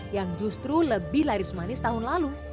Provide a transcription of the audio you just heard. yang justru lebih laris manis tahun lalu